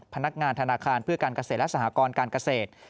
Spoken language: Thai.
พนักงานธนาคารเพื่อการเกษตรและสหกรการเกษตร